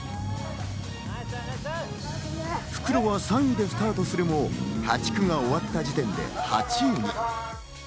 復路は３位でスタートするも、８区が終わった時点で８位に。